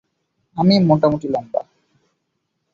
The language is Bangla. আমি মোটামুটি লম্বা।